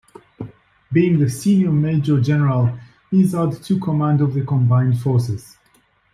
Being the senior Major General, Izard took command of the combined force.